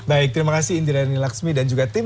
baik terima kasih indra rani laksmi dan juga tim